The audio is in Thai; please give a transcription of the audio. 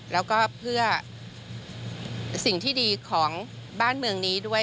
แล้วก็เพื่อสิ่งที่ดีของบ้านเมืองนี้ด้วย